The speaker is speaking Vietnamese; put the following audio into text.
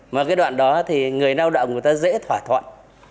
mà cái đoạn đó thì người lao động người ta dễ thỏa thuận